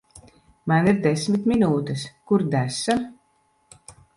Man ir desmit minūtes. Kur desa?